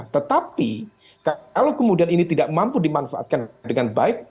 tetapi kalau kemudian ini tidak mampu dimanfaatkan dengan baik